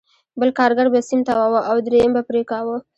بل کارګر به سیم تاواوه او درېیم به پرې کاوه